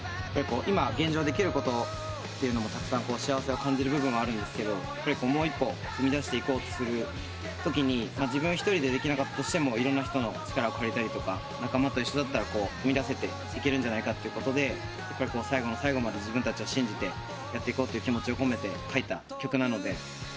今現状できることっていうのもたくさん幸せを感じる部分はあるんですけどもう一歩踏み出していこうとするときに自分一人でできなかったとしてもいろんな人の力を借りたりとか仲間と一緒だったら踏み出せていけるんじゃないかと最後の最後まで自分たちを信じてやっていこうって気持ちを込めて書いた曲なので。